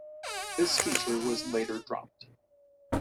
This feature was later dropped.